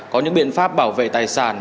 có những biện pháp bảo vệ tài sản